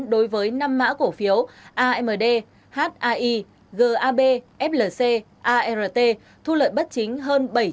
đối với năm mã cổ phiếu amd hai gab flc art thu lợi bất chính hơn bảy trăm hai mươi ba tỷ đồng